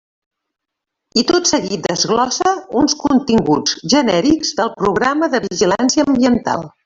I tot seguit desglossa uns continguts genèrics del Programa de Vigilància Ambiental.